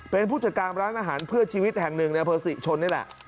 เป็นผู้จัดการร้านอาหารเพื่อชีวิตแห่งหนึ่งในอำเภอศรีชนนี่แหละ